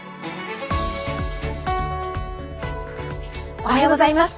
おはようございます。